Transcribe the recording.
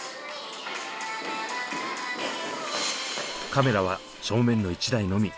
カメラは正面の１台のみ。